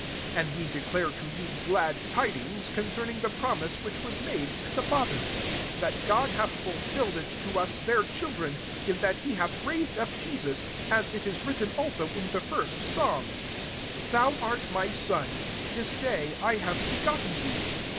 32 And we declare to you glad tidings, concerning the promise which was made to the fathers ; 33 that God hath fulfilled it to us their children, in that he hath raised up Jesus ; as it is written also in the first psalm;* * Thou art my son, this day I have be gotten thee.'